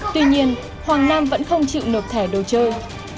tuy nhiên hoàng nam vẫn không chịu nộp thẻ đồ chơi